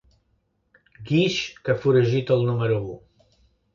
Guix que foragita el número u.